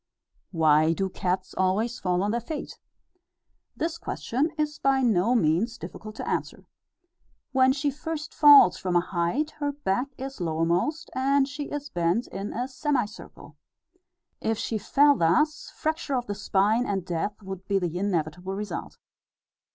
Why do cats always fall on their feet? This question is by no means difficult to answer. When she first falls from a height, her back is lowermost, and she is bent in a semicircle. If she fell thus, fracture of the spine, and death, would be the inevitable result.